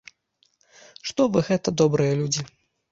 Што вы гэта, добрыя людзі?